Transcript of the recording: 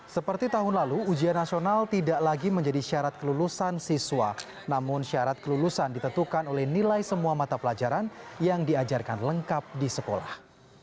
seperti tahun lalu ujian nasional tidak lagi menjadi syarat kelulusan siswa namun syarat kelulusan ditentukan oleh nilai semua mata pelajaran yang diajarkan lengkap di sekolah